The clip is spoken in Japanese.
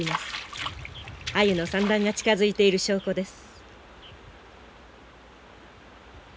アユの産卵が近づいている証拠です。